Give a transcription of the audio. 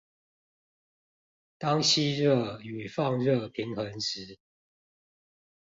當吸熱與放熱平衡時